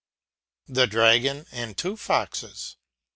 The DRAGON and two FOXES.